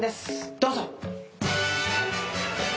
どうぞ。